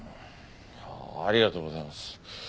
ありがとうございます。